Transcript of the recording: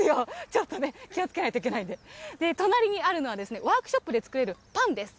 ちょっとね、気をつけないといけないので、隣にあるのは、ワークショップで作れるパンです。